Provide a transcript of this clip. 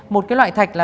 một loại thạch là